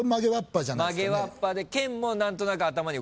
曲げわっぱで県も何となく頭に浮かんでる？